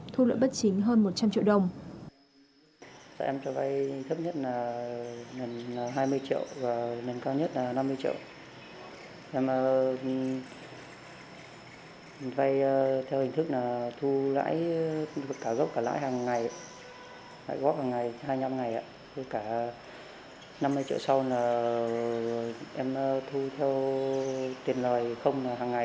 thu lợi bất chính hơn một trăm linh triệu đồng